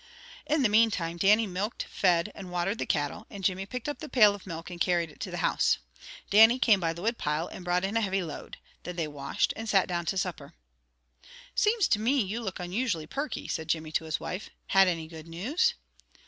In the meantime Dannie milked, fed and watered the cattle, and Jimmy picked up the pail of milk and carried it to the house. Dannie came by the wood pile and brought in a heavy load. Then they washed, and sat down to supper. "Seems to me you look unusually perky," said Jimmy to his wife. "Had any good news?"